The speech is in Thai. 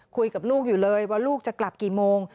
คุยกับลูกอยู่เลยว่าลูกจะกลับกี่โมง